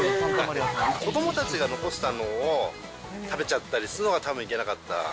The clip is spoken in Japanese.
子どもたちが残したのを食べちゃったりするのがたぶんだめだった。